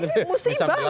ini musibah menurut saya